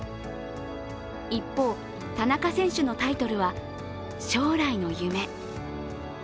一方、田中選手のタイトルは「将来の夢」。